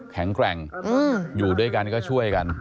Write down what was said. แข็งแกร่งอยู่ด้วยกันก็ช่วยกัน